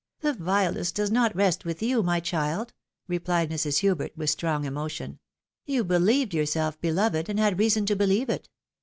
" The vileness does not rest with you, my child," replied Mrs. Hubert, with strong emotion. " You believed yourself beloved, and 'had reason to beheve it.